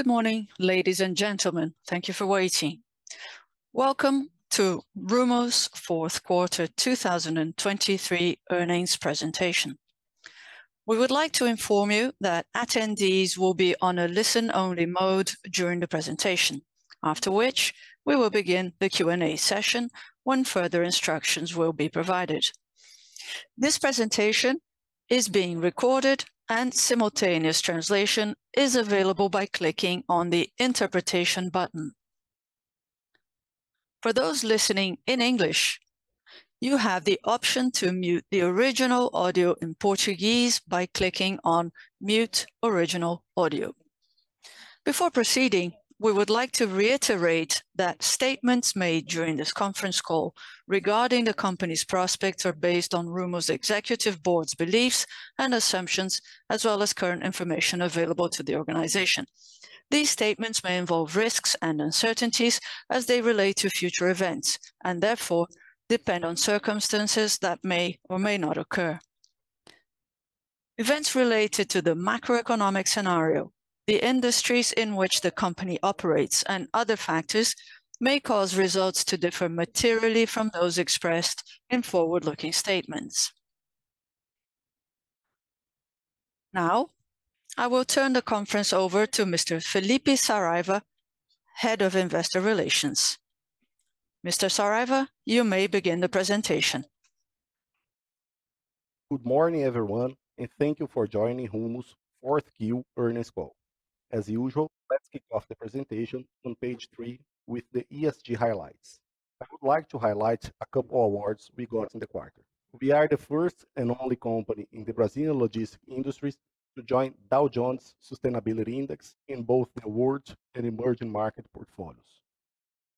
Good morning, ladies and gentlemen. Thank you for waiting. Welcome to Rumo's 4th Quarter 2023 Earnings Presentation. We would like to inform you that attendees will be on a listen-only mode during the presentation, after which we will begin the Q&A session when further instructions will be provided. This presentation is being recorded, and simultaneous translation is available by clicking on the interpretation button. For those listening in English, you have the option to mute the original audio in Portuguese by clicking on "Mute Original Audio." Before proceeding, we would like to reiterate that statements made during this conference call regarding the company's prospects are based on Rumo's executive board's beliefs and assumptions, as well as current information available to the organization. These statements may involve risks and uncertainties as they relate to future events and, therefore, depend on circumstances that may or may not occur. Events related to the macroeconomic scenario, the industries in which the company operates, and other factors may cause results to differ materially from those expressed in forward-looking statements. Now, I will turn the conference over to Mr. Filipe Saraiva, Head of Investor Relations. Mr. Saraiva, you may begin the presentation. Good morning, everyone, and thank you for joining Rumo's 4th Q. Earnings Call. As usual, let's kick off the presentation on page three with the ESG highlights. I would like to highlight a couple of awards we got in the quarter. We are the first and only company in the Brazilian logistics industries to join Dow Jones Sustainability Index in both the world and emerging market portfolios.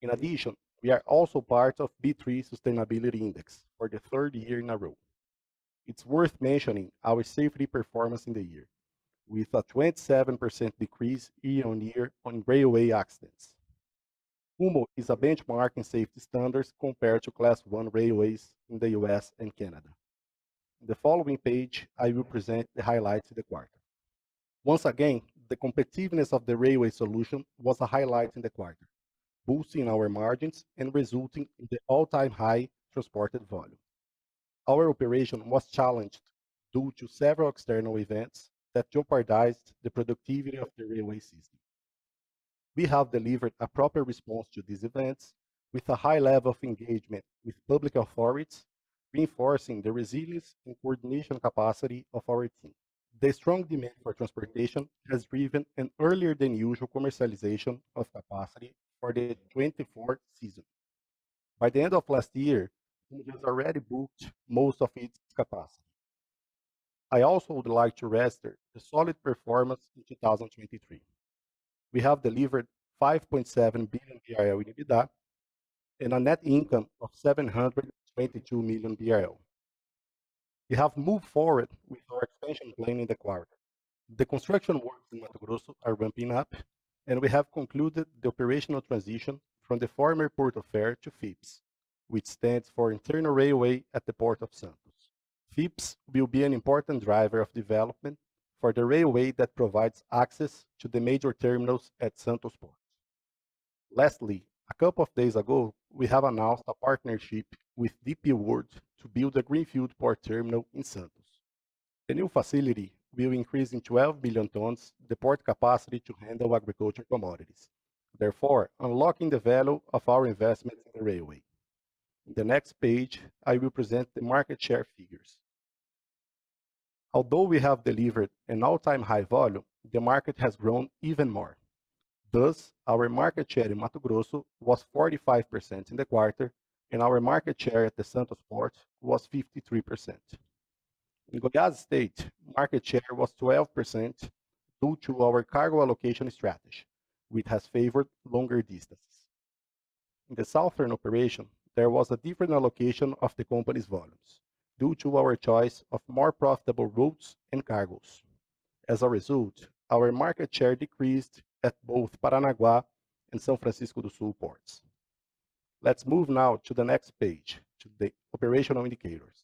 In addition, we are also part of the B3 Sustainability Index for the third year in a row. It's worth mentioning our safety performance in the year, with a 27% decrease year-over-year on railway accidents. Rumo is a benchmark in safety standards compared to Class 1 railways in the U.S. and Canada. On the following page, I will present the highlights of the quarter. Once again, the competitiveness of the railway solution was a highlight in the quarter, boosting our margins and resulting in the all-time high transported volume. Our operation was challenged due to several external events that jeopardized the productivity of the railway system. We have delivered a proper response to these events with a high level of engagement with public authorities, reinforcing the resilience and coordination capacity of our team. The strong demand for transportation has driven an earlier-than-usual commercialization of capacity for the 24th season. By the end of last year, Rumo has already booked most of its capacity. I also would like to register the solid performance in 2023. We have delivered 5.7 billion BRL in EBITDA and a net income of 722 million BRL. We have moved forward with our expansion plan in the quarter. The construction works in Mato Grosso are ramping up, and we have concluded the operational transition from the former Port of Paranaguá to FIPS, which stands for Internal Railway at the Port of Santos. FIPS will be an important driver of development for the railway that provides access to the major terminals at Santos Port. Lastly, a couple of days ago, we have announced a partnership with DP World to build a greenfield port terminal in Santos. The new facility will increase in 12 billion tons the port capacity to handle agricultural commodities, therefore unlocking the value of our investment in the railway. On the next page, I will present the market share figures. Although we have delivered an all-time high volume, the market has grown even more. Thus, our market share in Mato Grosso was 45% in the quarter, and our market share at the Santos Port was 53%. In Goiás State, market share was 12% due to our cargo allocation strategy, which has favored longer distances. In the Southern operation, there was a different allocation of the company's volumes due to our choice of more profitable routes and cargoes. As a result, our market share decreased at both Paranaguá and São Francisco do Sul ports. Let's move now to the next page, to the operational indicators.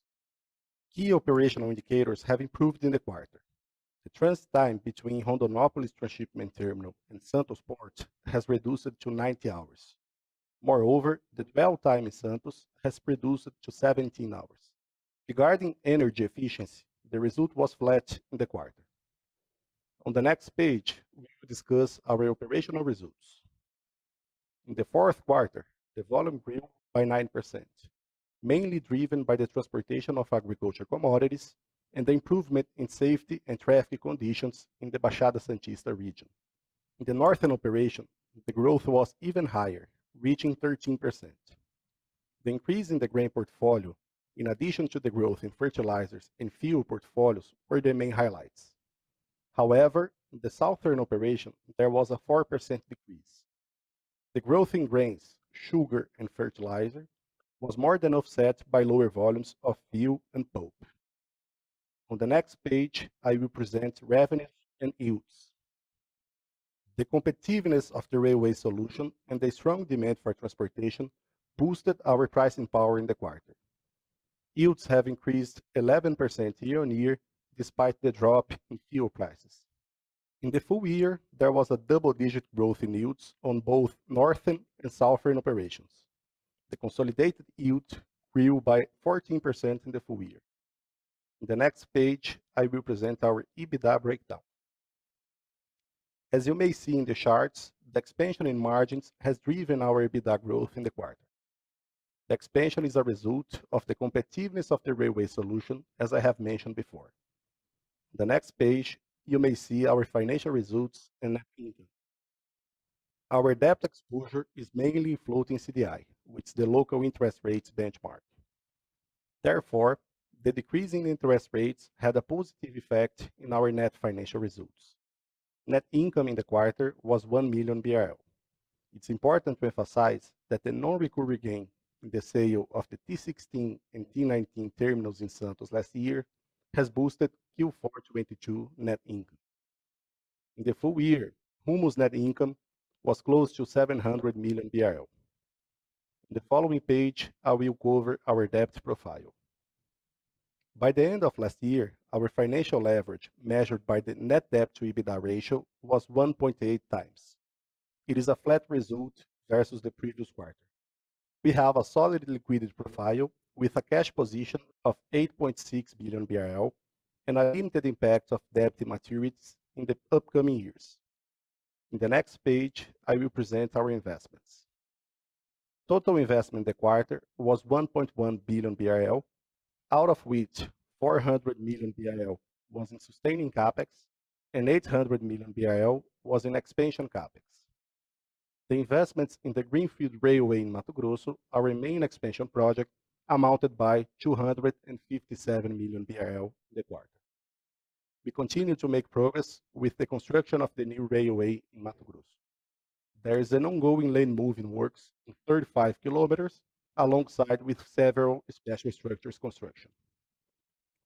Key operational indicators have improved in the quarter. The transit time between Rondonópolis transshipment terminal and Santos Port has reduced to 90 hours. Moreover, the dwell time in Santos has reduced to 17 hours. Regarding energy efficiency, the result was flat in the quarter. On the next page, we will discuss our operational results. In the 4th quarter, the volume grew by 9%, mainly driven by the transportation of agricultural commodities and the improvement in safety and traffic conditions in the Baixada Santista region. In the Northern operation, the growth was even higher, reaching 13%. The increase in the grain portfolio, in addition to the growth in fertilizers and fuel portfolios, were the main highlights. However, in the Southern operation, there was a 4% decrease. The growth in grains, sugar, and fertilizer was more than offset by lower volumes of fuel and pulp. On the next page, I will present revenues and yields. The competitiveness of the railway solution and the strong demand for transportation boosted our pricing power in the quarter. Yields have increased 11% year-on-year, despite the drop in fuel prices. In the full year, there was a double-digit growth in yields on both Northern and Southern operations. The consolidated yield grew by 14% in the full year. On the next page, I will present our EBITDA breakdown. As you may see in the charts, the expansion in margins has driven our EBITDA growth in the quarter. The expansion is a result of the competitiveness of the railway solution, as I have mentioned before. On the next page, you may see our financial results and net income. Our debt exposure is mainly floating CDI, which is the local interest rates benchmark. Therefore, the decrease in interest rates had a positive effect on our net financial results. Net income in the quarter was 1 million BRL. It's important to emphasize that the non-recurring gain in the sale of the T16 and T19 terminals in Santos last year has boosted Q4 2022 net income. In the full year, Rumo's net income was close to 700 million BRL. On the following page, I will cover our debt profile. By the end of last year, our financial leverage, measured by the net debt to EBITDA ratio, was 1.8x. It is a flat result versus the previous quarter. We have a solid liquidity profile with a cash position of 8.6 billion BRL and a limited impact of debt maturities in the upcoming years. On the next page, I will present our investments. Total investment in the quarter was 1.1 billion BRL, out of which 400 million BRL was in sustaining CapEx and 800 million BRL was in expansion CapEx. The investments in the greenfield railway in Mato Grosso are a main expansion project amounted to 257 million in the quarter. We continue to make progress with the construction of the new railway in Mato Grosso. There is an ongoing lane-moving works in 35 km, alongside several special structures construrction.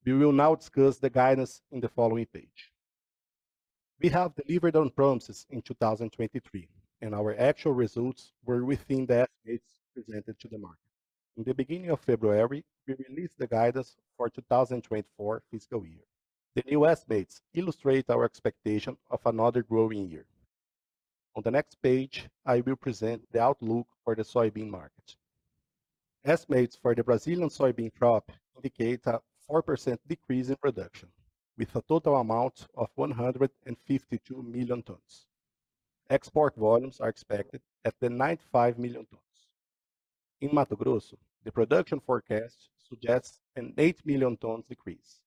We` will now discuss the guidance on the following page. We have delivered on promises in 2023, and our actual results were within the estimates presented to the market. On the beginning of February, we released the guidance for the 2024 fiscal year. The new estimates illustrate our expectation of another growing year. On the next page, I will present the outlook for the soybean market. Estimates for the Brazilian soybean crop indicate a 4% decrease in production, with a total amount of 152 million tons. Export volumes are expected at 95 million tons. In Mato Grosso, the production forecast suggests an 8 million tons decrease.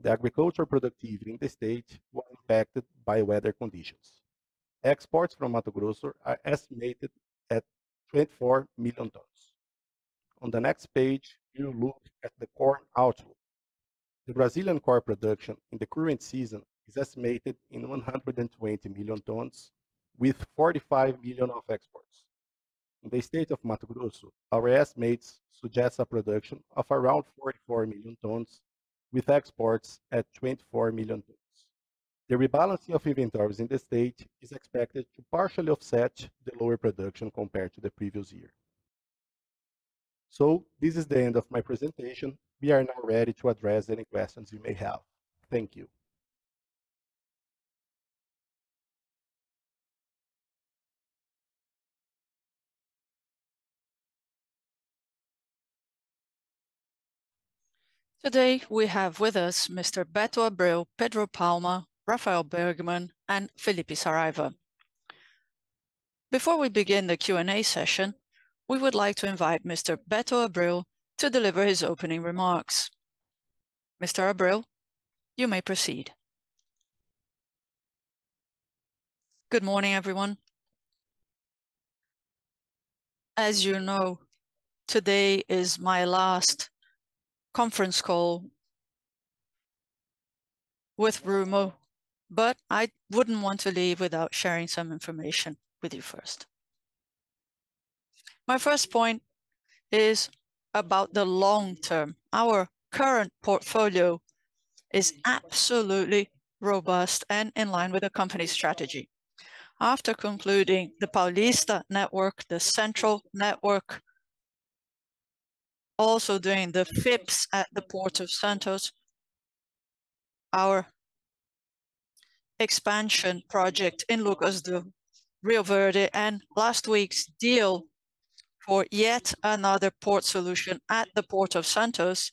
The agricultural productivity in the state was impacted by weather conditions. Exports from Mato Grosso are estimated at 24 million tons. On the next page, you will look at the corn outlook. The Brazilian corn production in the current season is estimated at 120 million tons, with 45 million of exports. In the state of Mato Grosso, our estimates suggest a production of around 44 million tons, with exports at 24 million tons. The rebalancing of inventories in the state is expected to partially offset the lower production compared to the previous year. So, this is the end of my presentation. We are now ready to address any questions you may have. Thank you. Today, we have with us Mr. Beto Abreu, Pedro Palma, Rafael Bergman, and Filipe Saraiva. Before we begin the Q&A session, we would like to invite Mr. Beto Abreu to deliver his opening remarks. Mr. Abreu, you may proceed. Good morning, everyone. As you know, today is my last conference call with Rumo, but I wouldn't want to leave without sharing some information with you first. My first point is about the long term. Our current portfolio is absolutely robust and in line with the company's strategy. After concluding the Paulista Network, the Central Network, also doing the FIPS at the Port of Santos, our expansion project in Lucas do Rio Verde, and last week's deal for yet another port solution at the Port of Santos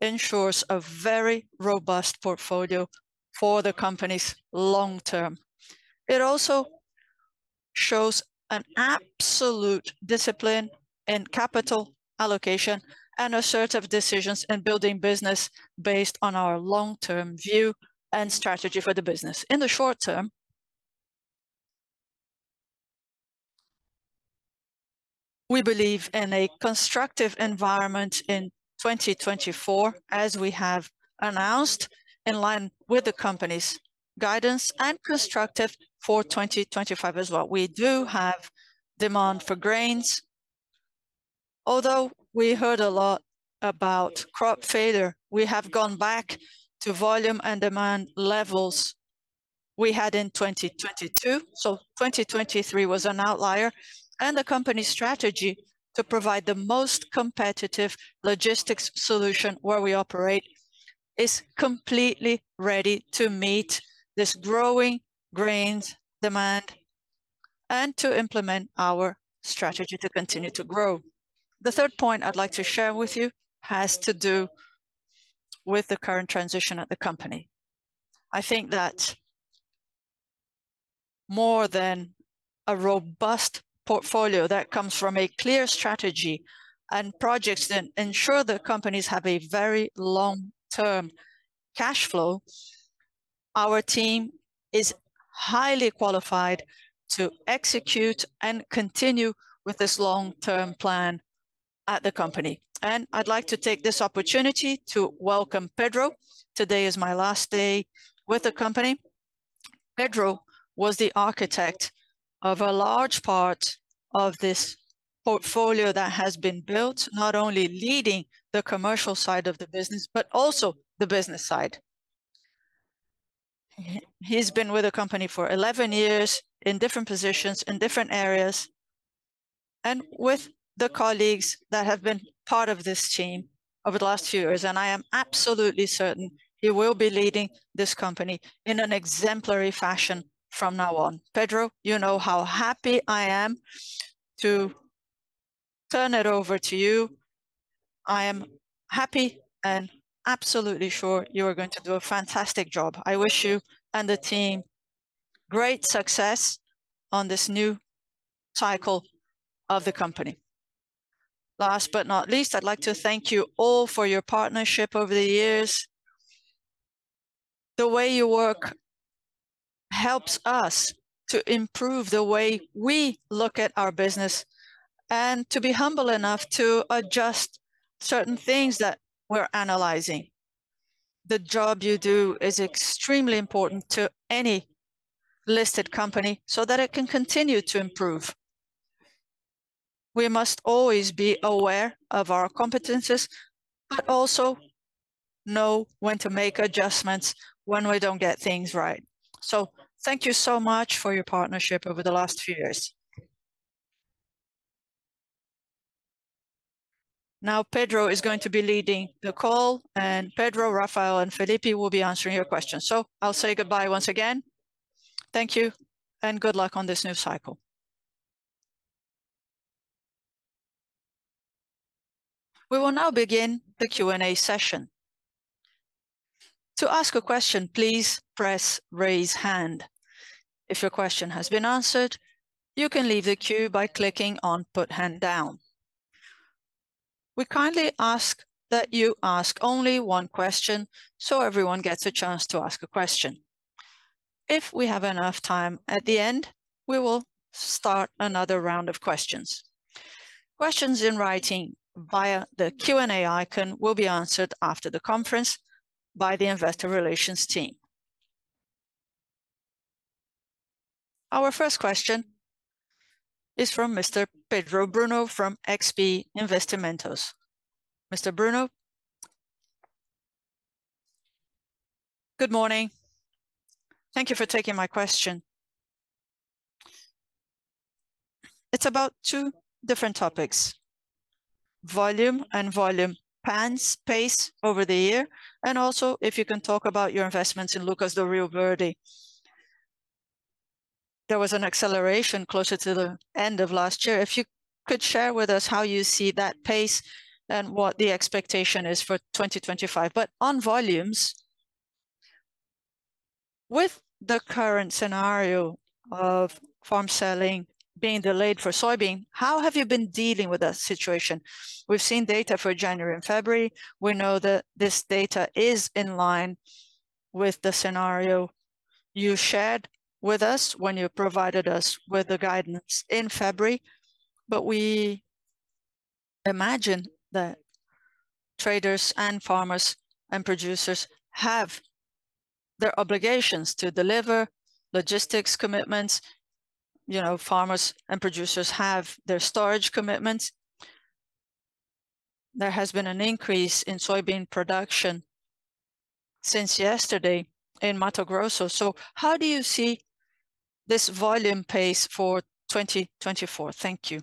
ensures a very robust portfolio for the company's long term. It also shows an absolute discipline in capital allocation and assertive decisions in building business based on our long-term view and strategy for the business. In the short term, we believe in a constructive environment in 2024, as we have announced, in line with the company's guidance and constructive for 2025 as well. We do have demand for grains. Although we heard a lot about crop failure, we have gone back to volume and demand levels we had in 2022. So, 2023 was an outlier. And the company's strategy to provide the most competitive logistics solution where we operate is completely ready to meet this growing grains demand and to implement our strategy to continue to grow. The third point I'd like to share with you has to do with the current transition at the company. I think that more than a robust portfolio that comes from a clear strategy and projects that ensure the companies have a very long-term cash flow, our team is highly qualified to execute and continue with this long-term plan at the company. I'd like to take this opportunity to welcome Pedro. Today is my last day with the company. Pedro was the architect of a large part of this portfolio that has been built, not only leading the commercial side of the business but also the business side. He's been with the company for 11 years in different positions, in different areas, and with the colleagues that have been part of this team over the last few years. I am absolutely certain he will be leading this company in an exemplary fashion from now on. Pedro, you know how happy I am to turn it over to you. I am happy and absolutely sure you are going to do a fantastic job. I wish you and the team great success on this new cycle of the company. Last but not least, I'd like to thank you all for your partnership over the years. The way you work helps us to improve the way we look at our business and to be humble enough to adjust certain things that we're analyzing. The job you do is extremely important to any listed company so that it can continue to improve. We must always be aware of our competencies but also know when to make adjustments when we don't get things right. So, thank you so much for your partnership over the last few years. Now, Pedro is going to be leading the call, and Pedro, Rafael, and Filipe will be answering your questions. So, I'll say goodbye once again. Thank you, and good luck on this new cycle. We will now begin the Q&A session. To ask a question, please press raise hand. If your question has been answered, you can leave the queue by clicking on put hand down. We kindly ask that you ask only one question so everyone gets a chance to ask a question. If we have enough time at the end, we will start another round of questions. Questions in writing via the Q&A icon will be answered after the conference by the Investor Relations team. Our first question is from Mr. Pedro Bruno from XP Investimentos. Mr. Bruno, good morning. Thank you for taking my question. It's about two different topics: volume and volume plans, pace over the year, and also if you can talk about your investments in Lucas do Rio Verde. There was an acceleration closer to the end of last year. If you could share with us how you see that pace and what the expectation is for 2025. But on volumes, with the current scenario of farm selling being delayed for soybean, how have you been dealing with that situation? We've seen data for January and February. We know that this data is in line with the scenario you shared with us when you provided us with the guidance in February. But we imagine that traders and farmers and producers have their obligations to deliver logistics commitments. You know, farmers and producers have their storage commitments. There has been an increase in soybean production since yesterday in Mato Grosso. So, how do you see this volume pace for 2024? Thank you.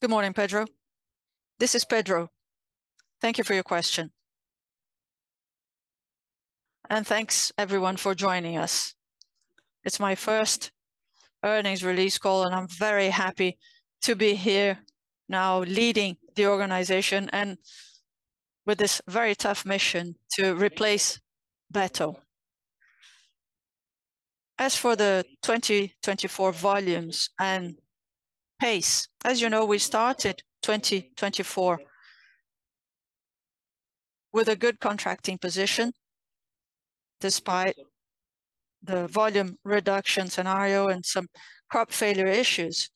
Good morning, Pedro. This is Pedro. Thank you for your question. And thanks, everyone, for joining us. It's my first earnings release call, and I'm very happy to be here now leading the organization and with this very tough mission to replace Beto. As for the 2024 volumes and pace, as you know, we started 2024 with a good contracting position despite the volume reduction scenario and some crop failure issues.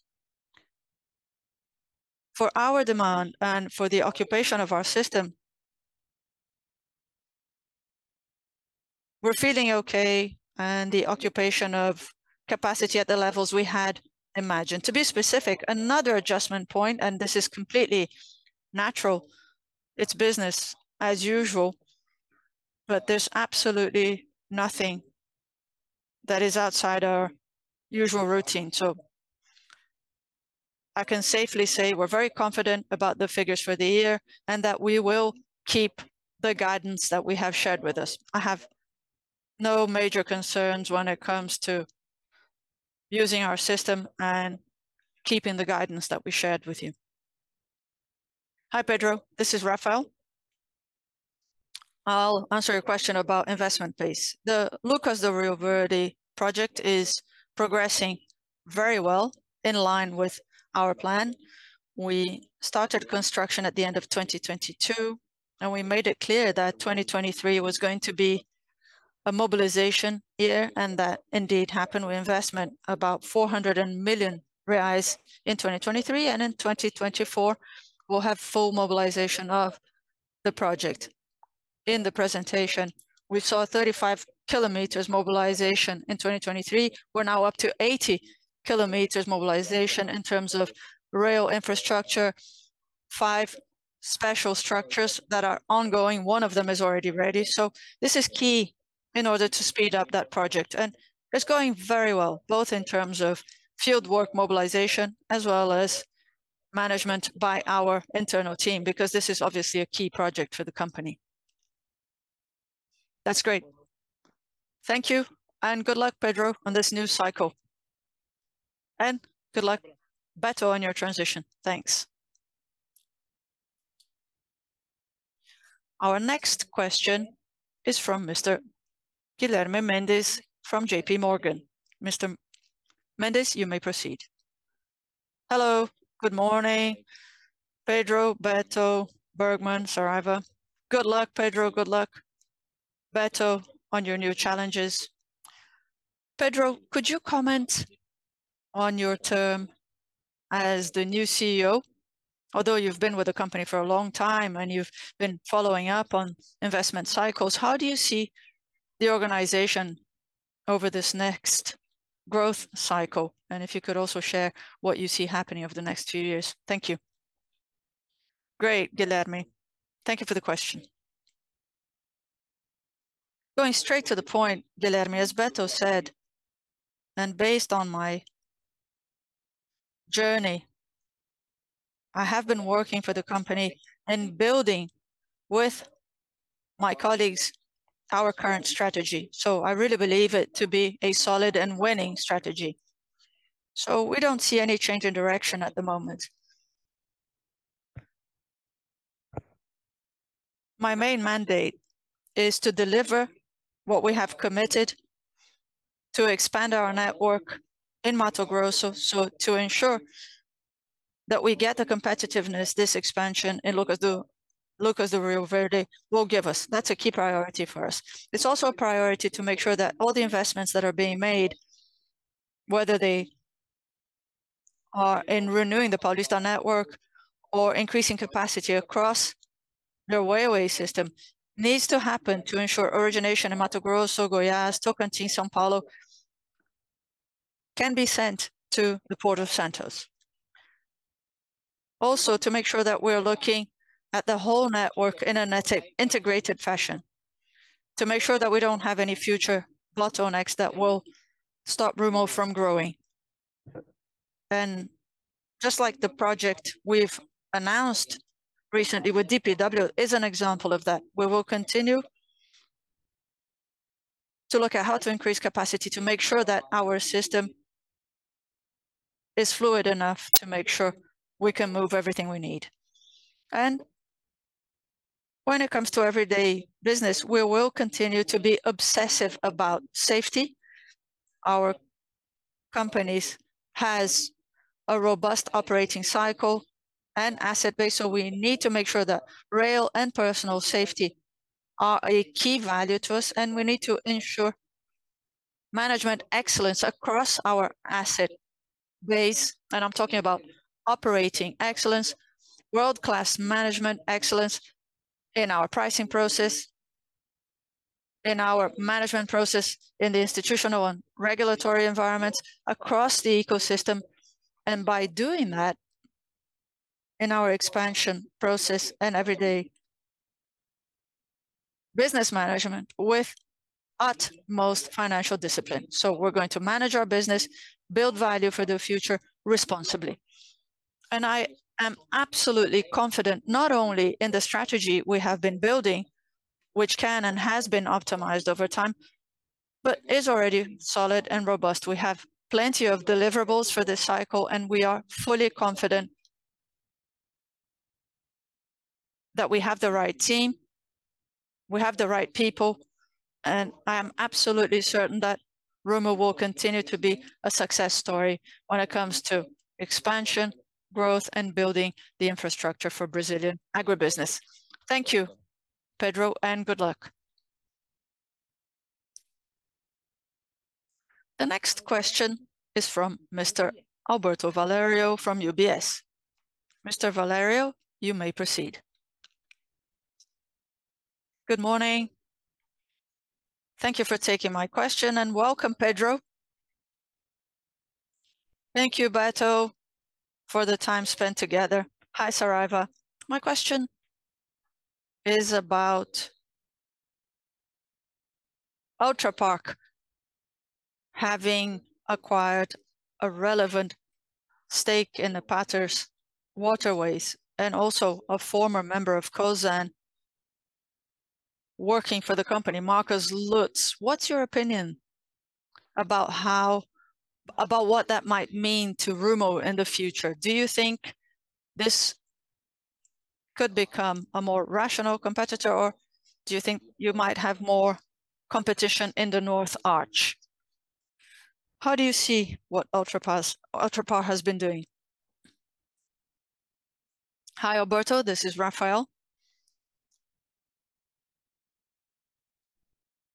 For our demand and for the occupation of our system, we're feeling okay, and the occupation of capacity at the levels we had imagined. To be specific, another adjustment point, and this is completely natural, it's business as usual, but there's absolutely nothing that is outside our usual routine. So, I can safely say we're very confident about the figures for the year and that we will keep the guidance that we have shared with us. I have no major concerns when it comes to using our system and keeping the guidance that we shared with you. Hi, Pedro. This is Rafael. I'll answer your question about investment pace. The Lucas do Rio Verde project is progressing very well in line with our plan. We started construction at the end of 2022, and we made it clear that 2023 was going to be a mobilization year, and that indeed happened with investment about 400 million reais in 2023. And in 2024, we'll have full mobilization of the project. In the presentation, we saw 35 km mobilization in 2023. We're now up to 80 km mobilization in terms of rail infrastructure, five special structures that are ongoing. One of them is already ready. So, this is key in order to speed up that project. It's going very well, both in terms of fieldwork mobilization as well as management by our internal team, because this is obviously a key project for the company. That's great. Thank you. And good luck, Pedro, on this new cycle. And good luck, Beto, on your transition. Thanks. Our next question is from Mr. Guilherme Mendes from JP Morgan. Mr. Mendes, you may proceed. Hello. Good morning, Pedro, Beto, Bergman, Saraiva. Good luck, Pedro. Good luck, Beto, on your new challenges. Pedro, could you comment on your term as the new CEO? Although you've been with the company for a long time and you've been following up on investment cycles, how do you see the organization over this next growth cycle? And if you could also share what you see happening over the next few years. Thank you. Great, Guilherme. Thank you for the question. Going straight to the point, Guilherme, as Beto said, and based on my journey, I have been working for the company and building with my colleagues our current strategy. So, I really believe it to be a solid and winning strategy. So, we don't see any change in direction at the moment. My main mandate is to deliver what we have committed to expand our network in Mato Grosso, so to ensure that we get the competitiveness this expansion in Lucas do Rio Verde will give us. That's a key priority for us. It's also a priority to make sure that all the investments that are being made, whether they are in renewing the Paulista Network or increasing capacity across the railway system, need to happen to ensure origination in Mato Grosso, Goiás, Tocantins, São Paulo, can be sent to the Port of Santos. Also, to make sure that we're looking at the whole network in an integrated fashion, to make sure that we don't have any future plateau next that will stop Rumo from growing. Just like the project we've announced recently with DPW is an example of that, we will continue to look at how to increase capacity to make sure that our system is fluid enough to make sure we can move everything we need. When it comes to everyday business, we will continue to be obsessive about safety. Our company has a robust operating cycle and asset base, so we need to make sure that rail and personal safety are a key value to us. We need to ensure management excellence across our asset base. And I'm talking about operating excellence, world-class management excellence in our pricing process, in our management process, in the institutional and regulatory environments, across the ecosystem. And by doing that in our expansion process and everyday business management with utmost financial discipline. So, we're going to manage our business, build value for the future responsibly. And I am absolutely confident not only in the strategy we have been building, which can and has been optimized over time, but is already solid and robust. We have plenty of deliverables for this cycle, and we are fully confident that we have the right team, we have the right people, and I am absolutely certain that Rumo will continue to be a success story when it comes to expansion, growth, and building the infrastructure for Brazilian agribusiness. Thank you, Pedro, and good luck. The next question is from Mr. Alberto Valerio from UBS. Mr. Valerio, you may proceed. Good morning. Thank you for taking my question and welcome, Pedro. Thank you, Beto, for the time spent together. Hi, Saraiva. My question is about Ultrapar having acquired a relevant stake in the Hidrovias do Brasil and also a former member of Cosan working for the company. Marcos Lutz, what's your opinion about what that might mean to Rumo in the future? Do you think this could become a more rational competitor, or do you think you might have more competition in the north arc? How do you see what Ultrapar has been doing? Hi, Alberto. This is Rafael.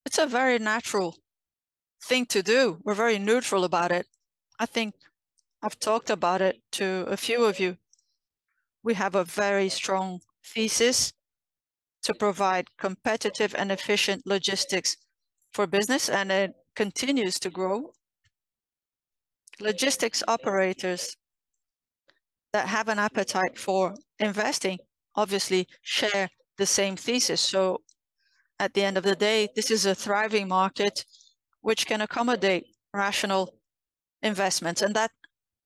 It's a very natural thing to do. We're very neutral about it. I think I've talked about it to a few of you. We have a very strong thesis to provide competitive and efficient logistics for business, and it continues to grow. Logistics operators that have an appetite for investing obviously share the same thesis. So, at the end of the day, this is a thriving market which can accommodate rational investments. And that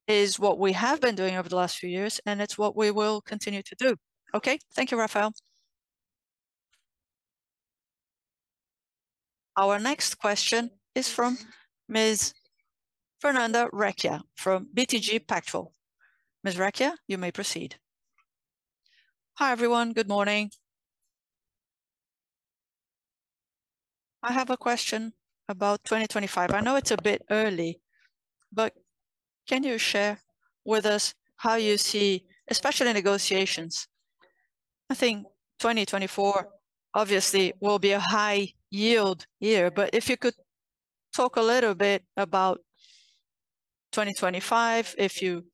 is what we have been doing over the last few years, and it's what we will continue to do. Okay? Thank you, Rafael. Our next question is from Ms. Fernanda Recchia from BTG Pactual. Ms. Recchia, you may proceed. Hi, everyone. Good morning. I have a question about 2025. I know it's a bit early, but can you share with us how you see, especially in negotiations? I think 2024 obviously will be a high-yield year, but if you could talk a little bit about 2025, if you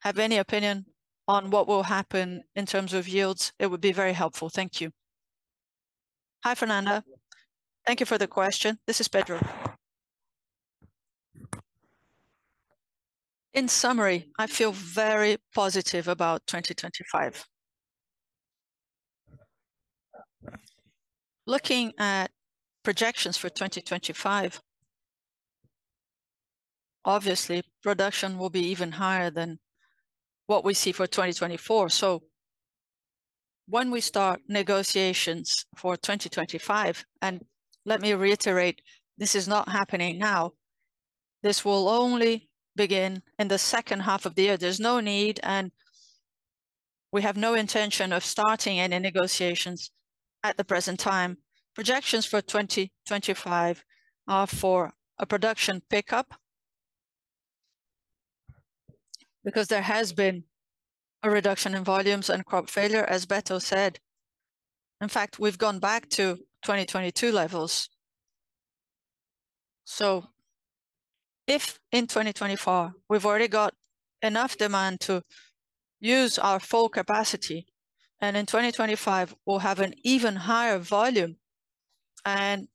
have any opinion on what will happen in terms of yields, it would be very helpful. Thank you. Hi, Fernanda. Thank you for the question. This is Pedro. In summary, I feel very positive about 2025. Looking at projections for 2025, obviously, production will be even higher than what we see for 2024. So, when we start negotiations for 2025, and let me reiterate, this is not happening now. This will only begin in the second half of the year. There's no need, and we have no intention of starting any negotiations at the present time. Projections for 2025 are for a production pickup because there has been a reduction in volumes and crop failure, as Beto said. In fact, we've gone back to 2022 levels. So, if in 2024 we've already got enough demand to use our full capacity, and in 2025, we'll have an even higher volume, and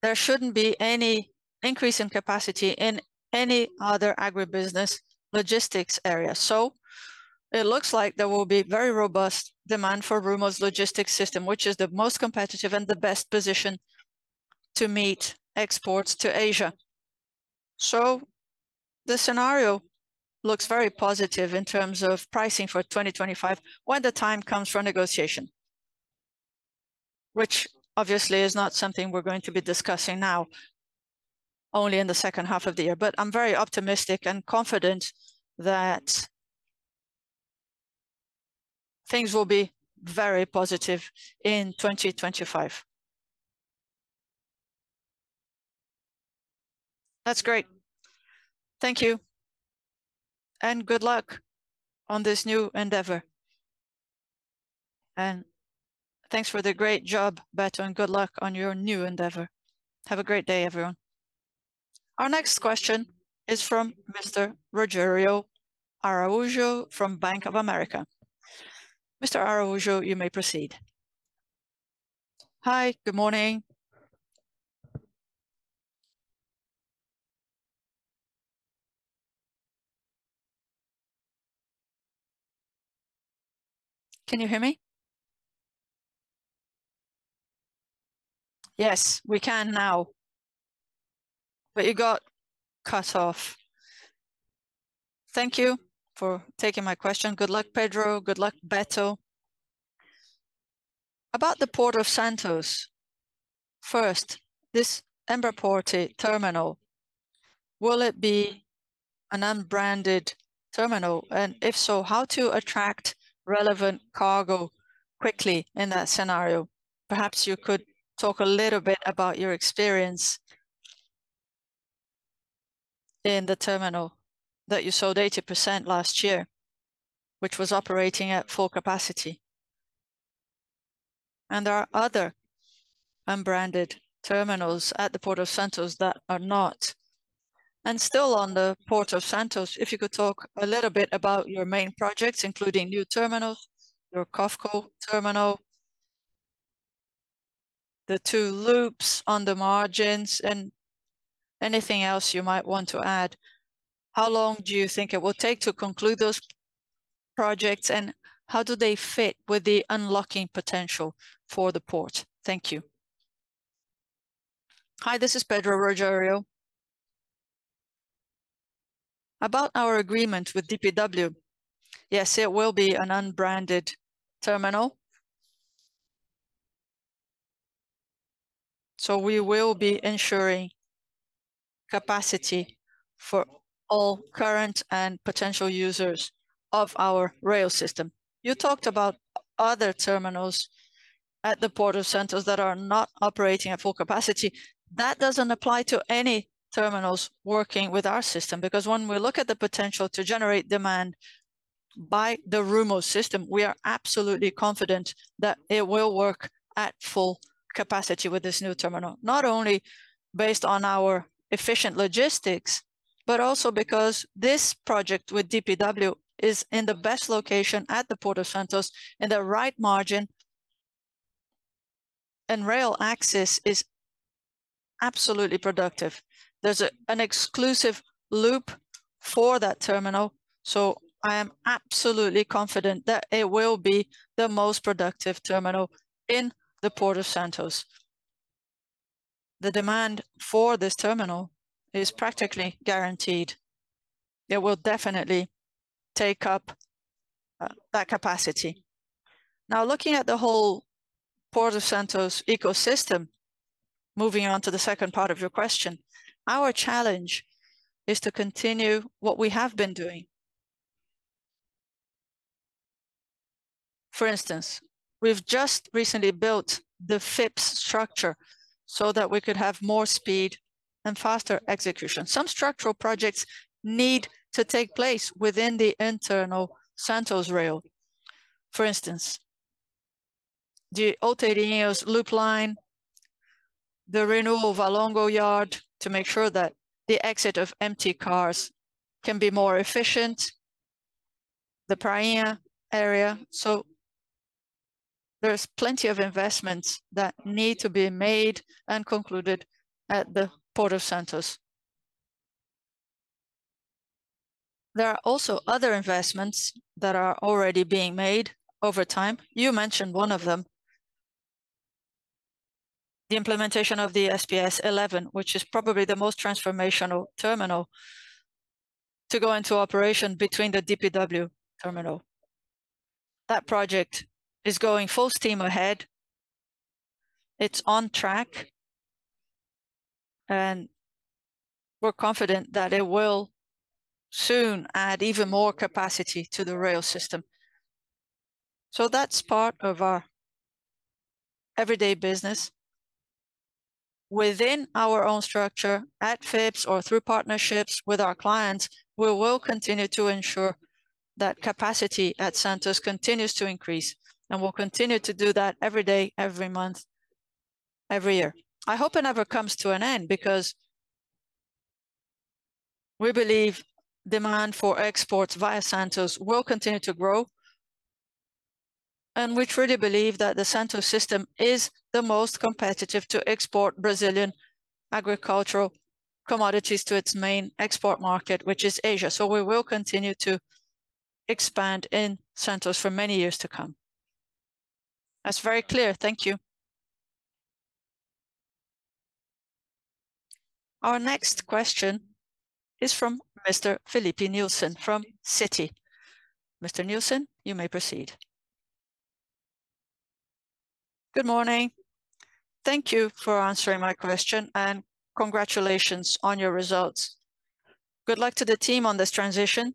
there shouldn't be any increase in capacity in any other agribusiness logistics area. So, it looks like there will be very robust demand for Rumo's logistics system, which is the most competitive and the best position to meet exports to Asia. So, the scenario looks very positive in terms of pricing for 2025 when the time comes for negotiation, which obviously is not something we're going to be discussing now, only in the second half of the year. But I'm very optimistic and confident that things will be very positive in 2025. That's great. Thank you. And good luck on this new endeavor. And thanks for the great job, Beto, and good luck on your new endeavor. Have a great day, everyone. Our next question is from Mr. Rogério Araújo from Bank of America. Mr. Araújo, you may proceed. Hi. Good morning. Can you hear me? Yes, we can now, but you got cut off. Thank you for taking my question. Good luck, Pedro. Good luck, Beto. About the Port of Santos. First, this Embraport terminal, will it be an unbranded terminal? And if so, how to attract relevant cargo quickly in that scenario? Perhaps you could talk a little bit about your experience in the terminal that you sold 80% last year, which was operating at full capacity. And there are other unbranded terminals at the Port of Santos that are not. And still on the Port of Santos, if you could talk a little bit about your main projects, including new terminals, your COFCO terminal, the two loops on the margins, and anything else you might want to add. How long do you think it will take to conclude those projects, and how do they fit with the unlocking potential for the port? Thank you. Hi, this is Pedro Palma. About our agreement with DPW. Yes, it will be an unbranded terminal. So, we will be ensuring capacity for all current and potential users of our rail system. You talked about other terminals at the Port of Santos that are not operating at full capacity. That doesn't apply to any terminals working with our system, because when we look at the potential to generate demand by the Rumo system, we are absolutely confident that it will work at full capacity with this new terminal, not only based on our efficient logistics, but also because this project with DPW is in the best location at the Port of Santos, in the right margin, and rail access is absolutely productive. There's an exclusive loop for that terminal, so I am absolutely confident that it will be the most productive terminal in the Port of Santos. The demand for this terminal is practically guaranteed. It will definitely take up that capacity. Now, looking at the whole Port of Santos ecosystem, moving on to the second part of your question, our challenge is to continue what we have been doing. For instance, we've just recently built the FIPS structure so that we could have more speed and faster execution. Some structural projects need to take place within the internal Santos rail. For instance, the Outeirinhos loop line, the renewal of Valongo Yard to make sure that the exit of empty cars can be more efficient, the Praia area. So, there's plenty of investments that need to be made and concluded at the Port of Santos. There are also other investments that are already being made over time. You mentioned one of them, the implementation of the STS-11, which is probably the most transformational terminal, to go into operation between the DP World terminal. That project is going full steam ahead. It's on track, and we're confident that it will soon add even more capacity to the rail system. So, that's part of our everyday business. Within our own structure, at FIPS or through partnerships with our clients, we will continue to ensure that capacity at Santos continues to increase, and we'll continue to do that every day, every month, every year. I hope it never comes to an end because we believe demand for exports via Santos will continue to grow, and we truly believe that the Santos system is the most competitive to export Brazilian agricultural commodities to its main export market, which is Asia. So, we will continue to expand in Santos for many years to come. That's very clear. Thank you. Our next question is from Mr. Filipe Nielsen from Citi. Mr. Nielsen, you may proceed. Good morning. Thank you for answering my question, and congratulations on your results. Good luck to the team on this transition.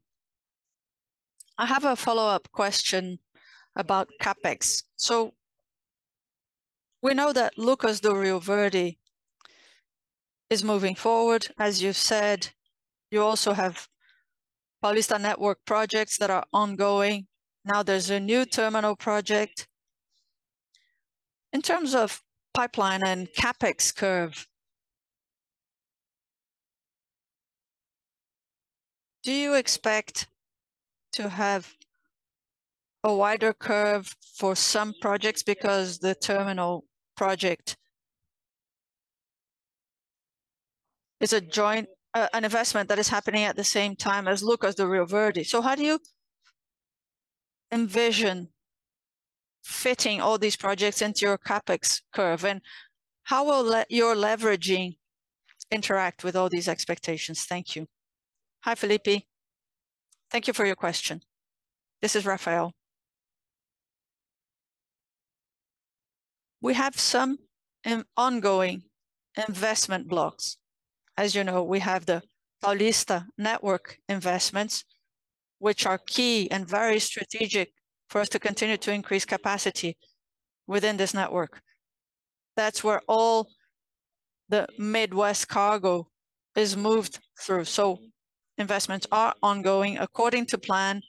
I have a follow-up question about CapEx. So, we know that Lucas do Rio Verde is moving forward. As you said, you also have Paulista Network projects that are ongoing. Now, there's a new terminal project. In terms of pipeline and CapEx curve, do you expect to have a wider curve for some projects because the terminal project is a joint investment that is happening at the same time as Lucas do Rio Verde? So, how do you envision fitting all these projects into your CapEx curve, and how will your leveraging interact with all these expectations? Thank you. Hi, Felipe. Thank you for your question. This is Rafael. We have some ongoing investment blocks. As you know, we have the Paulista Network investments, which are key and very strategic for us to continue to increase capacity within this network. That's where all the Midwest cargo is moved through. So, investments are ongoing according to plan.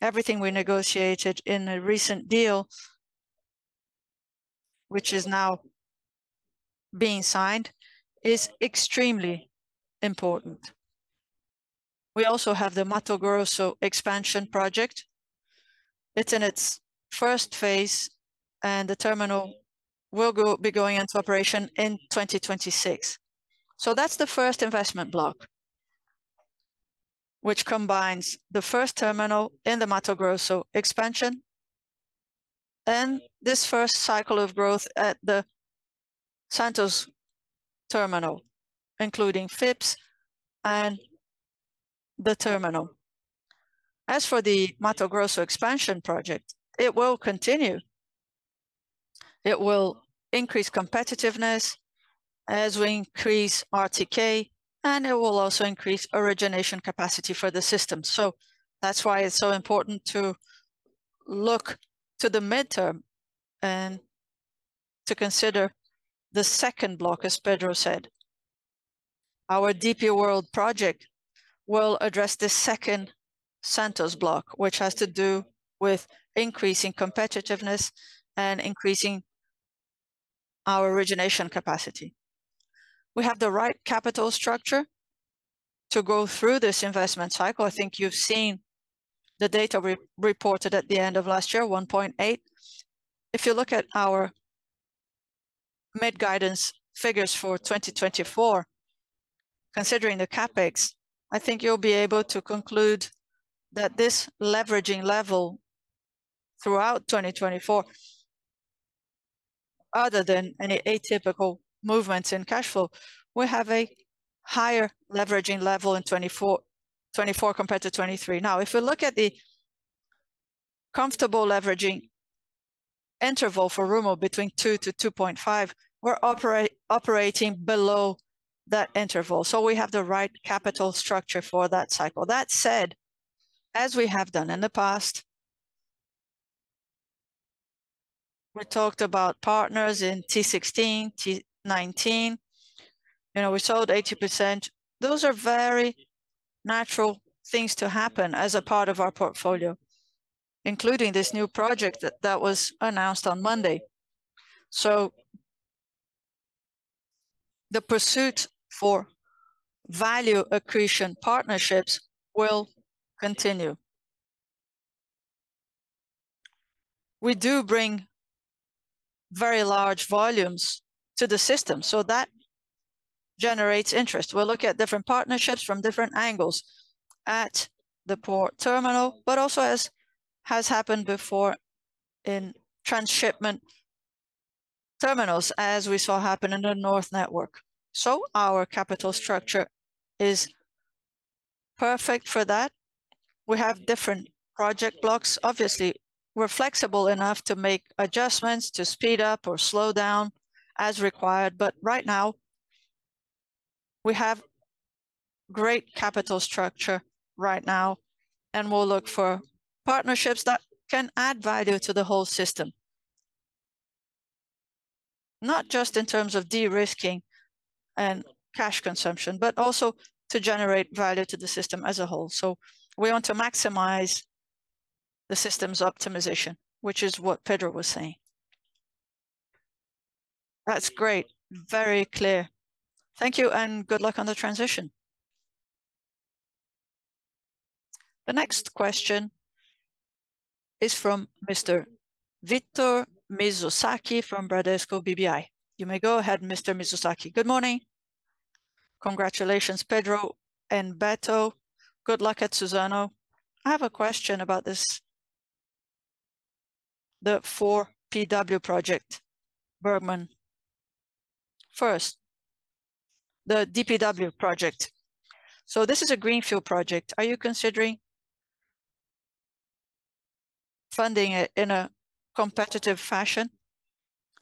Everything we negotiated in a recent deal, which is now being signed, is extremely important. We also have the Mato Grosso expansion project. It's in its first phase, and the terminal will be going into operation in 2026. So, that's the first investment block, which combines the first terminal in the Mato Grosso expansion and this first cycle of growth at the Santos terminal, including FIPS and the terminal. As for the Mato Grosso expansion project, it will continue. It will increase competitiveness as we increase RTK, and it will also increase origination capacity for the system. So, that's why it's so important to look to the midterm and to consider the second block, as Pedro said. Our DP World project will address this second Santos block, which has to do with increasing competitiveness and increasing our origination capacity. We have the right capital structure to go through this investment cycle. I think you've seen the data reported at the end of last year, 1.8%. If you look at our mid-guidance figures for 2024, considering the CapEx, I think you'll be able to conclude that this leveraging level throughout 2024, other than any atypical movements in cash flow, we have a higher leveraging level in 2024 compared to 2023. Now, if we look at the comfortable leveraging interval for Rumo between 2%-2.5%, we're operating below that interval. So, we have the right capital structure for that cycle. That said, as we have done in the past, we talked about partners in T16, T19. You know, we sold 80%. Those are very natural things to happen as a part of our portfolio, including this new project that was announced on Monday. So, the pursuit for value accretion partnerships will continue. We do bring very large volumes to the system, so that generates interest. We'll look at different partnerships from different angles at the port terminal, but also as has happened before in transshipment terminals, as we saw happen in the North Network. So, our capital structure is perfect for that. We have different project blocks, obviously. We're flexible enough to make adjustments to speed up or slow down as required. But right now, we have great capital structure right now, and we'll look for partnerships that can add value to the whole system, not just in terms of de-risking and cash consumption, but also to generate value to the system as a whole. So, we want to maximize the system's optimization, which is what Pedro was saying. That's great. Very clear. Thank you, and good luck on the transition. The next question is from Mr. Victor Mizusaki from Bradesco BBI. You may go ahead, Mr. Mizusaki. Good morning. Congratulations, Pedro and Beto. Good luck at Suzano. I have a question about this, the 4PW project, Bergman. First, the DPW project. So, this is a greenfield project. Are you considering funding it in a competitive fashion?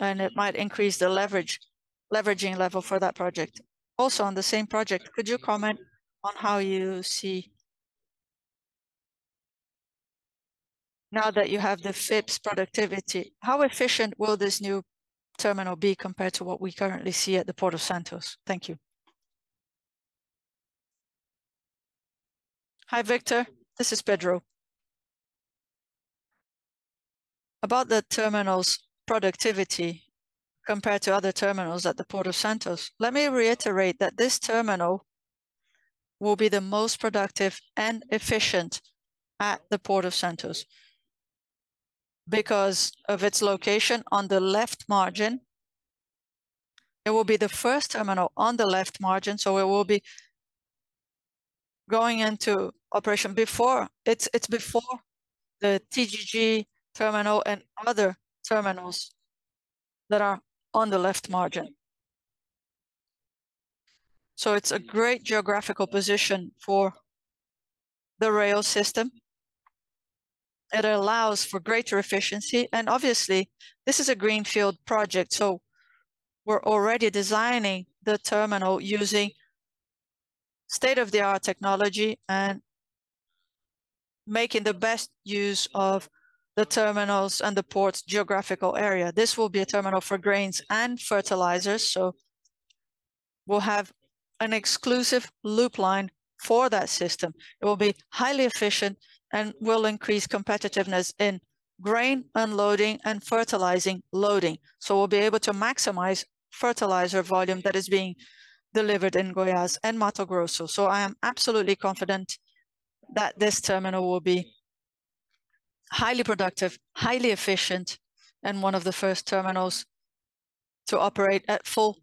And it might increase the leveraging level for that project. Also, on the same project, could you comment on how you see, now that you have the FIPS productivity, how efficient will this new terminal be compared to what we currently see at the Port of Santos? Thank you. Hi, Victor. This is Pedro. About the terminal's productivity compared to other terminals at the Port of Santos, let me reiterate that this terminal will be the most productive and efficient at the Port of Santos because of its location on the left margin. It will be the first terminal on the left margin, so it will be going into operation before. It's before the TGG terminal and other terminals that are on the left margin. So, it's a great geographical position for the rail system. It allows for greater efficiency. Obviously, this is a greenfield project, so we're already designing the terminal using state-of-the-art technology and making the best use of the terminals and the port's geographical area. This will be a terminal for grains and fertilizers, so we'll have an exclusive loop line for that system. It will be highly efficient and will increase competitiveness in grain unloading and fertilizing loading. So, we'll be able to maximize fertilizer volume that is being delivered in Goiás and Mato Grosso. So, I am absolutely confident that this terminal will be highly productive, highly efficient, and one of the first terminals to operate at full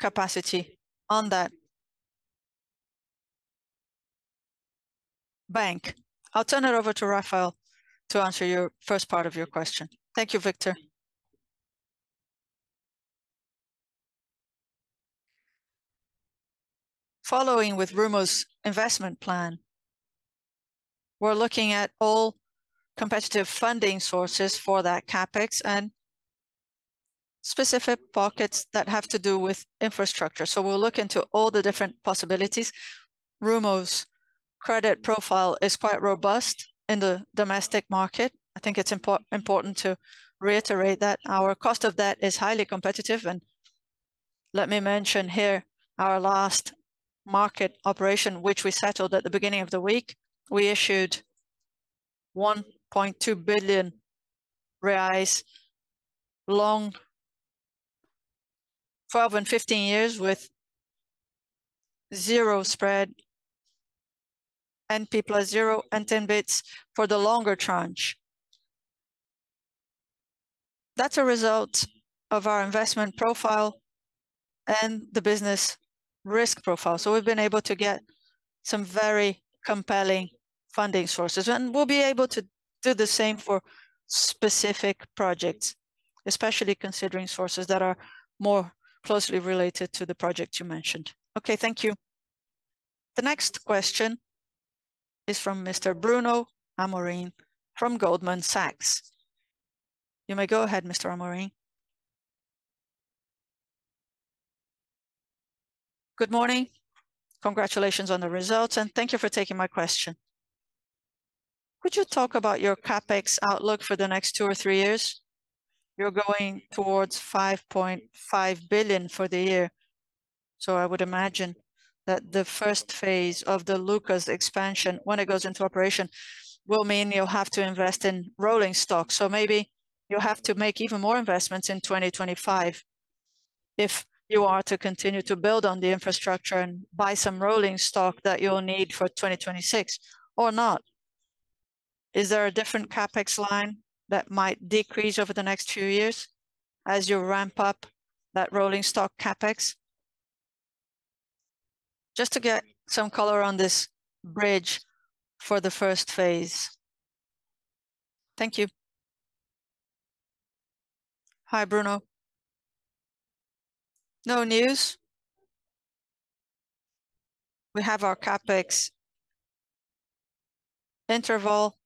capacity on that bank. I'll turn it over to Rafael to answer your first part of your question. Thank you, Victor. Following with Rumo's investment plan, we're looking at all competitive funding sources for that CapEx and specific pockets that have to do with infrastructure. So, we'll look into all the different possibilities. Rumo's credit profile is quite robust in the domestic market. I think it's important to reiterate that. Our cost of debt is highly competitive. And let me mention here our last market operation, which we settled at the beginning of the week. We issued 1.2 billion reais long 12 and 15 years with zero spread, NP +0%, and 10 basis points for the longer tranche. That's a result of our investment profile and the business risk profile. So, we've been able to get some very compelling funding sources. And we'll be able to do the same for specific projects, especially considering sources that are more closely related to the project you mentioned. Okay, thank you. The next question is from Mr. Bruno Amorim from Goldman Sachs. You may go ahead, Mr. Amorim. Good morning. Congratulations on the results, and thank you for taking my question. Could you talk about your CapEx outlook for the next two or three years? You're going towards 5.5 billion for the year. So, I would imagine that the first phase of the Lucas expansion, when it goes into operation, will mean you'll have to invest in rolling stock. So, maybe you'll have to make even more investments in 2025 if you are to continue to build on the infrastructure and buy some rolling stock that you'll need for 2026 or not. Is there a different CapEx line that might decrease over the next few years as you ramp up that rolling stock CapEx? Just to get some color on this bridge for the first phase. Thank you. Hi, Bruno. No news. We have our CapEx interval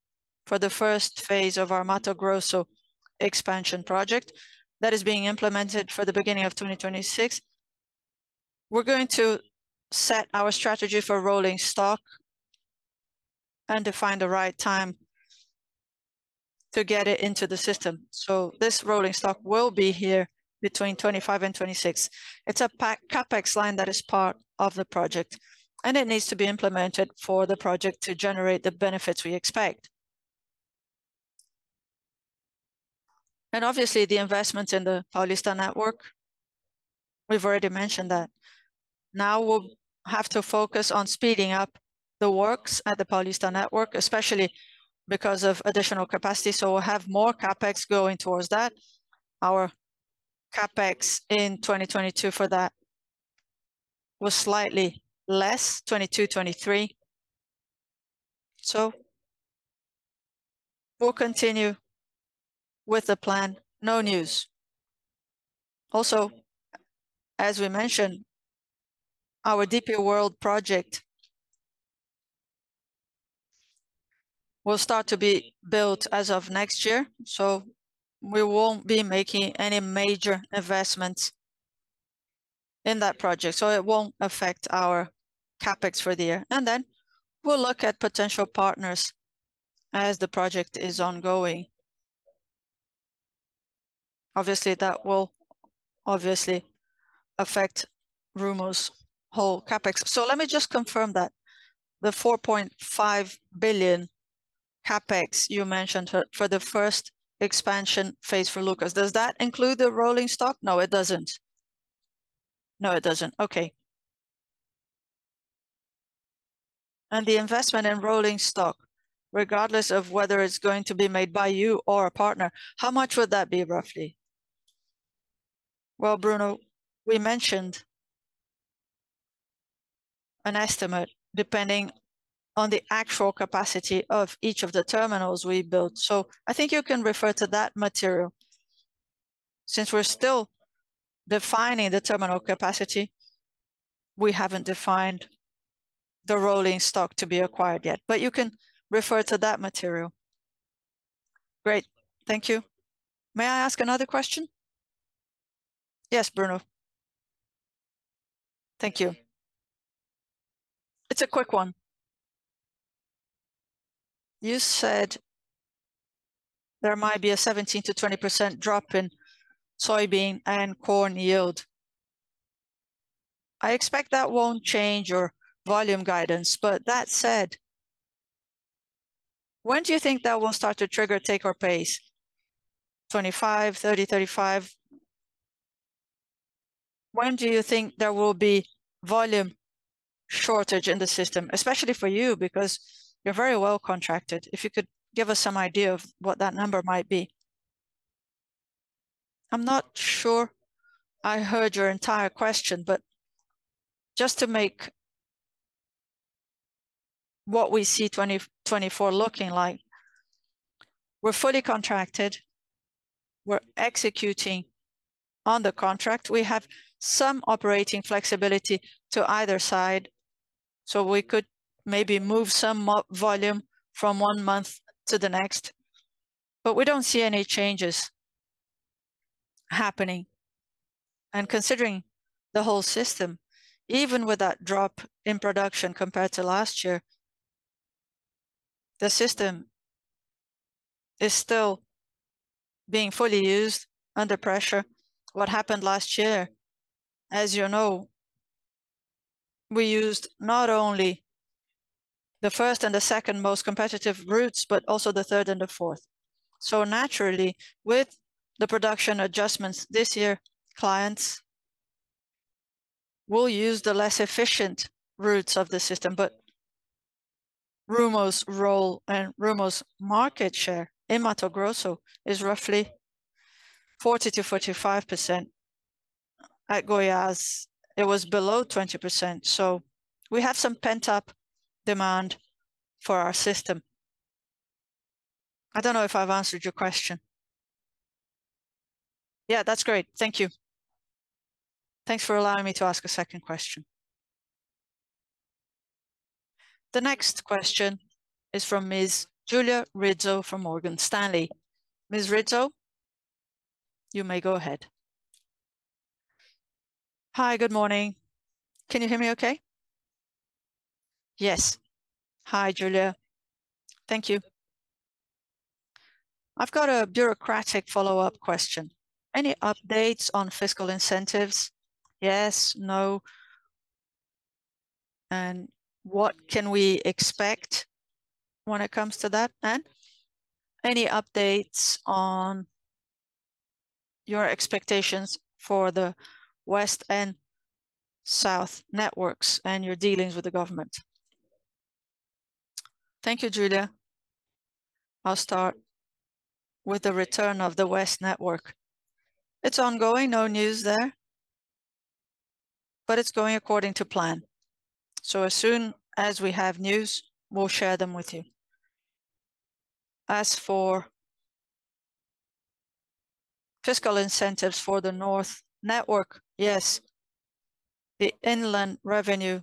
for the first phase of our Mato Grosso expansion project that is being implemented for the beginning of 2026. We're going to set our strategy for rolling stock and define the right time to get it into the system. This rolling stock will be here between 2025 and 2026. It's a CapEx line that is part of the project, and it needs to be implemented for the project to generate the benefits we expect. Obviously, the investments in the Paulista Network, we've already mentioned that. Now, we'll have to focus on speeding up the works at the Paulista Network, especially because of additional capacity. We'll have more CapEx going towards that. Our CapEx in 2022 for that was slightly less, 2022, 2023. We'll continue with the plan. No news. Also, as we mentioned, our DP World project will start to be built as of next year. So, we won't be making any major investments in that project. So, it won't affect our Capex for the year. And then, we'll look at potential partners as the project is ongoing. Obviously, that will obviously affect Rumo's whole Capex. So, let me just confirm that. The 4.5 billion Capex you mentioned for the first expansion phase for Lucas, does that include the rolling stock? No, it doesn't. No, it doesn't. Okay. And the investment in rolling stock, regardless of whether it's going to be made by you or a partner, how much would that be roughly? Well, Bruno, we mentioned an estimate depending on the actual capacity of each of the terminals we built. So, I think you can refer to that material. Since we're still defining the terminal capacity, we haven't defined the rolling stock to be acquired yet. But you can refer to that material. Great. Thank you. May I ask another question? Yes, Bruno. Thank you. It's a quick one. You said there might be a 17%-20% drop in soybean and corn yield. I expect that won't change your volume guidance. But that said, when do you think that will start to trigger take-or-pay? 25%, 30%, 35%? When do you think there will be volume shortage in the system, especially for you because you're very well contracted? If you could give us some idea of what that number might be. I'm not sure I heard your entire question, but just to make clear what we see 2024 looking like, we're fully contracted. We're executing on the contract. We have some operating flexibility to either side. So, we could maybe move some volume from one month to the next. But we don't see any changes happening. And considering the whole system, even with that drop in production compared to last year, the system is still being fully used under pressure. What happened last year, as you know, we used not only the first and the second most competitive routes, but also the third and the fourth. So, naturally, with the production adjustments this year, clients will use the less efficient routes of the system. But Rumo's role and Rumo's market share in Mato Grosso is roughly 40%-45%. At Goiás, it was below 20%. So, we have some pent-up demand for our system. I don't know if I've answered your question. Yeah, that's great. Thank you. Thanks for allowing me to ask a second question. The next question is from Ms. Julia Rizzo from Morgan Stanley. Ms. Rizzo, you may go ahead. Hi, good morning. Can you hear me okay? Yes. Hi, Julia. Thank you. I've got a bureaucratic follow-up question. Any updates on fiscal incentives? Yes, no. And what can we expect when it comes to that? And any updates on your expectations for the West and South networks and your dealings with the government? Thank you, Julia. I'll start with the return of the West network. It's ongoing. No news there. But it's going according to plan. So, as soon as we have news, we'll share them with you. As for fiscal incentives for the North network, yes. The inland revenue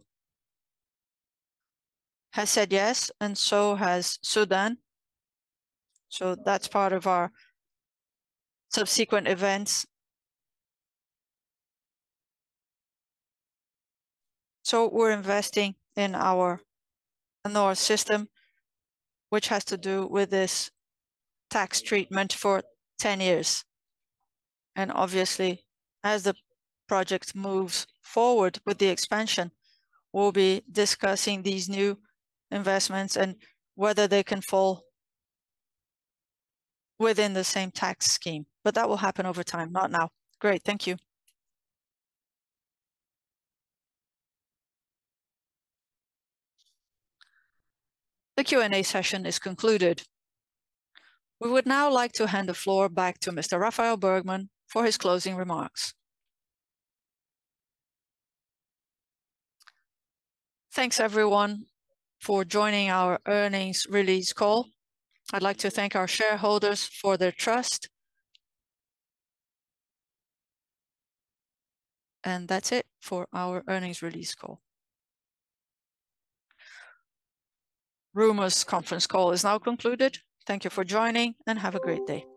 has said yes, and so has SUDAM. So, that's part of our subsequent events. So, we're investing in our North system, which has to do with this tax treatment for 10 years. Obviously, as the project moves forward with the expansion, we'll be discussing these new investments and whether they can fall within the same tax scheme. That will happen over time, not now. Great. Thank you. The Q&A session is concluded. We would now like to hand the floor back to Mr. Rafael Bergman for his closing remarks. Thanks, everyone, for joining our earnings release call. I'd like to thank our shareholders for their trust. That's it for our earnings release call. Rumo's conference call is now concluded. Thank you for joining, and have a great day.